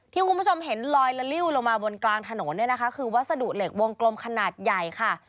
ที่คุณผู้ชมเห็นลอยละลิ้วลงมาบนกลางถนนเนี่ยนะคะคือวัสดุเหล็กวงกลมขนาดใหญ่ค่ะ